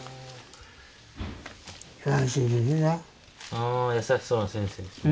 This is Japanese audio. あやさしそうな先生ですね。